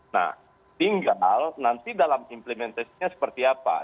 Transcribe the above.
nah tinggal nanti dalam implementasinya seperti apa